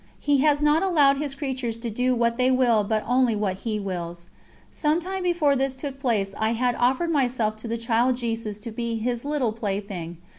He has not allowed His creatures to do what they will but only what He wills. Sometime before this took place I had offered myself to the Child Jesus to be His little plaything.